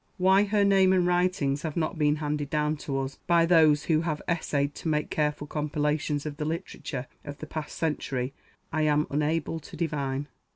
Why her name and writings have not been handed down to us by those who have essayed to make careful compilations of the literature of the past century, I am unable to divine.